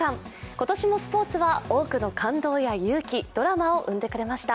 今年もスポ−ツは多くの感動や勇気、ドラマを生んでくれました。